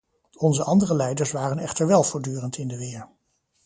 Onze andere leiders waren echter wel voortdurend in de weer.